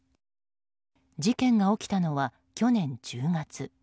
事件が起きたのは去年１０月。